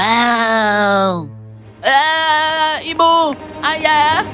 ah ibu ayah